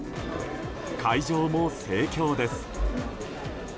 会場も盛況です。